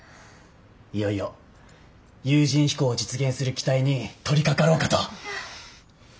いよいよ有人飛行を実現する機体に取りかかろうかと。